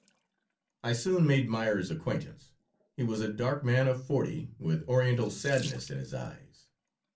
I soon made Meyer's acquaintance. He was a dark man of forty, with Oriental sadness in his eyes.